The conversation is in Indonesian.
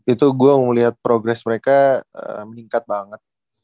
itu gue ngeliat progres mereka meningkat banget